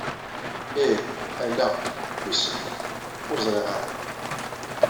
Ih. Ala. Wissen. Ur ẓriɣ ara.